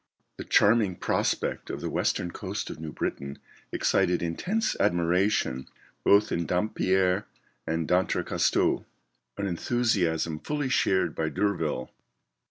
The charming prospect of the western coast of New Britain excited intense admiration both in Dampier and D'Entrecasteaux; an enthusiasm fully shared by D'Urville.